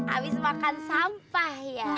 abis makan sampah ya